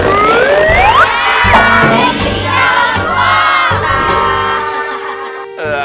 gigi jangan pergi